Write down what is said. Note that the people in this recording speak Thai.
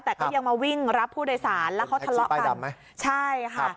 แต่ก็ยังมาวิ่งรับผู้โดยสารแล้วเขาทะเลาะกันไหมใช่ค่ะ